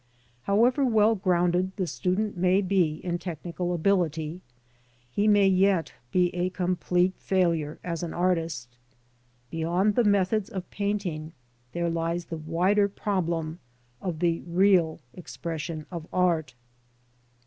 However well grounded the student may be in technical ability, he may yet be a complete failure as an artist. Beyond the methods of painting there lies the wider problem of the real expression of art.